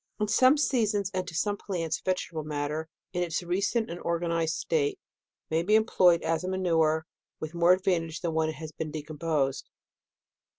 In some seasons, and to some plants, vege table matter, in its recent and organized state, may be employed as a manure with more advantage than when it has been de composed.